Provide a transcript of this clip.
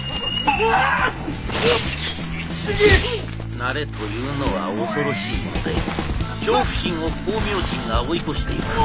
慣れというのは恐ろしいもので恐怖心を功名心が追い越していく。